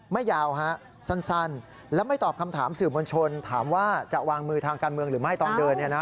ยาวฮะสั้นและไม่ตอบคำถามสื่อมวลชนถามว่าจะวางมือทางการเมืองหรือไม่ตอนเดิน